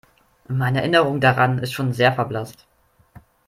Meine Erinnerung daran ist schon sehr verblasst.